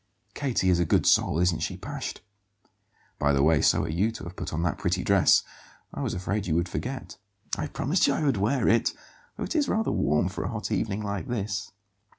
"Katie is a good soul, isn't she, Pasht? By the way, so are you to have put on that pretty dress. I was afraid you would forget." "I promised you I would wear it, though it is rather warm for a hot evening like this."